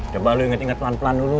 coba lo inget inget pelan pelan dulu